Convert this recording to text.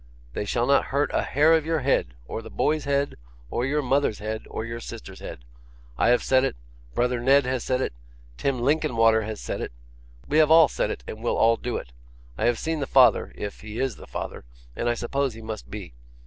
They shall not hurt a hair of your head, or the boy's head, or your mother's head, or your sister's head. I have said it, brother Ned has said it, Tim Linkinwater has said it. We have all said it, and we'll all do it. I have seen the father if he is the father and I suppose he must be.